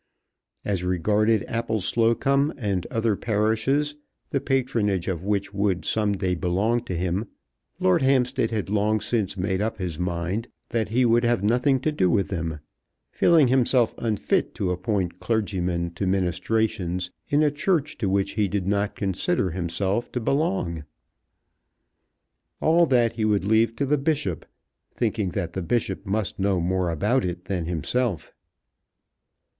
As regarded Appleslocombe and other parishes, the patronage of which would some day belong to him, Lord Hampstead had long since made up his mind that he would have nothing to do with them, feeling himself unfit to appoint clergymen to ministrations in a Church to which he did not consider himself to belong. All that he would leave to the Bishop, thinking that the Bishop must know more about it than himself.